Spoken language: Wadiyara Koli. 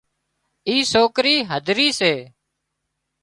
اي سوڪرِي هڌري سي